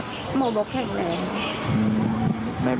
หมอบอกแข็งแรง